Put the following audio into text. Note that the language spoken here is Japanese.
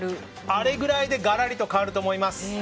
あれぐらいでがらりと変わると思います。